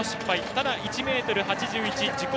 ただ、１ｍ８１自己